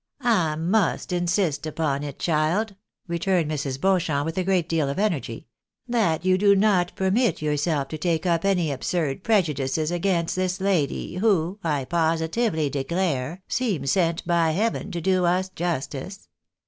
" I must insist upon it, child," returned Mrs. Beauchamp, with a great deal of energy, " that you do not permit yourself to take up any absurd prejudices against this lady, who, I positively declare, seems sent by Heaven to do us justice.